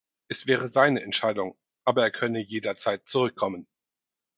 Es wäre seine Entscheidung, aber er könne jederzeit zurückkommen.